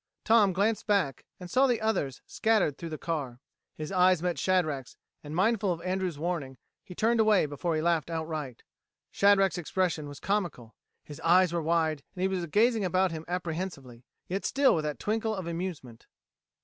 Tom glanced back and saw the others scattered through the car. His eyes met Shadrack's and, mindful of Andrews' warning, he turned away before he laughed outright. Shadrack's expression was comical: his eyes were wide and he was gazing about him apprehensively, yet still with that twinkle of amusement.